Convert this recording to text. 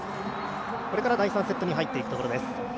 これから第３セットに入っていくところです。